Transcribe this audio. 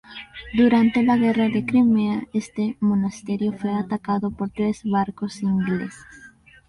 Durante la guerra de Crimea este monasterio fue atacado por tres barcos ingleses.